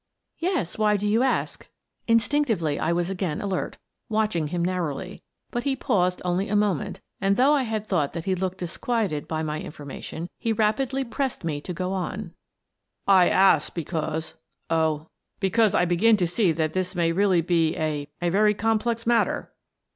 "Yes. Why do you ask?" Instinctively, I was again alert, watching him narrowly, but he paused only a moment, and though I had thought that he looked disquieted at my in formation, he rapidly pressed me to go on. "Thou Art the Man" 135 " I ask because — oh, because I begin to see that this may really be a — a very complex matter."